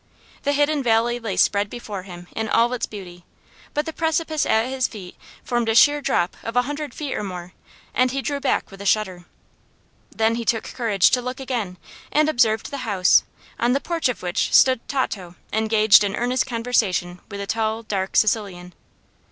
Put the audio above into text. The hidden valley lay spread before him in all its beauty, but the precipice at his feet formed a sheer drop of a hundred feet or more, and he drew back with a shudder. Then he took courage to look again, and observed the house, on the porch of which stood Tato engaged in earnest conversation with a tall, dark Sicilian.